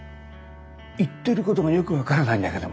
言ってることがよく分からないんだけどもな。